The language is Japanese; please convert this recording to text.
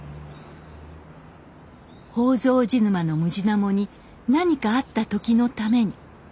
宝蔵寺沼のムジナモに何かあった時のために。